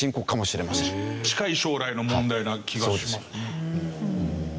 近い将来の問題な気がします。